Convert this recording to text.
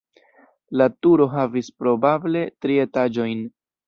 La turo havis probable tri etaĝojn.